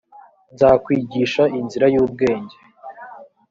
nzakwigisha inzira y ubwenge